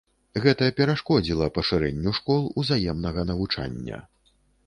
Гэта перашкодзіла пашырэнню школ узаемнага навучання.